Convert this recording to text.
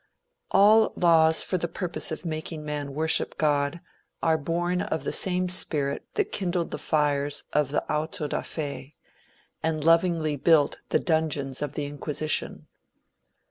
All laws for the purpose of making man worship God, are born of the same spirit that kindled the fires of the auto da fe, and lovingly built the dungeons of the Inquisition.